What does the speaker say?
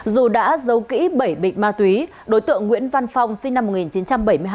dù đã giấu kỹ bảy bịch ma túy đối tượng nguyễn văn phong sinh năm một nghìn chín trăm bảy mươi hai